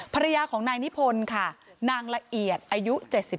ภรรยาของนายนิพนธ์ค่ะนางละเอียดอายุ๗๒